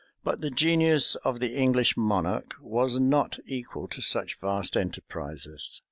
[*] But the genius of the English monarch was not equal to such vast enterprises.